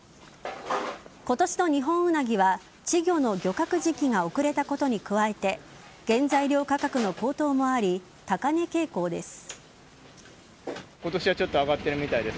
今年のニホンウナギは稚魚の漁獲時期が遅れたことに加えて原材料価格の高騰もあり高値傾向です。